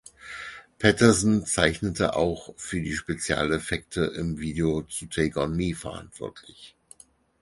Patterson zeichnete auch für die Spezialeffekte im Video zu "Take On Me" verantwortlich.